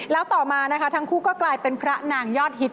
แล้วต่อมานะคะทั้งคู่ก็กลายเป็นพระนางยอดฮิต